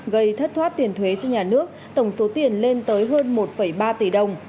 gây thất thoát tiền thuế cho nhà nước tổng số tiền lên tới hơn một ba tỷ đồng